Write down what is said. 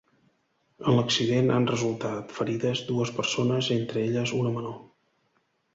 En l'accident han resultat ferides dues persones, entre elles una menor.